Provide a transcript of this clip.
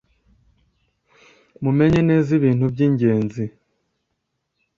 mumenye neza ibintu by ‘ingenzi.